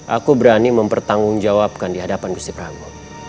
aku berani mempertanggungjawabkan di hadapan gusti pramu